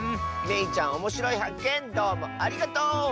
めいちゃんおもしろいはっけんどうもありがとう！